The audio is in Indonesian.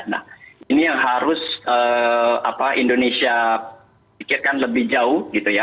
nah ini yang harus indonesia pikirkan lebih jauh gitu ya